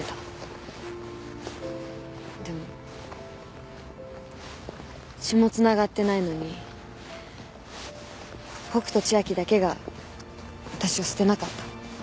でも血も繋がってないのに北斗千明だけが私を捨てなかった。